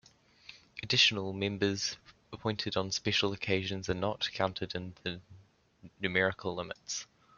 "Additional" members, appointed on special occasions, are not counted in the numerical limits.